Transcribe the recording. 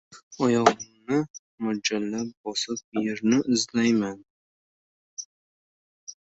Oyog‘imni mo‘ljallab bosib, yerni izlayman.